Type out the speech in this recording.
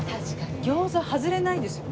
餃子外れないですよね。